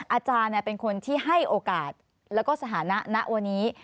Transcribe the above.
อาจารย์เป็นคนที่ให้โอกาสแล้วก็สถานะณวันนี้